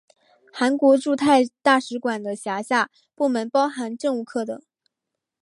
韩国驻泰大使馆的辖下部门包含政务课等。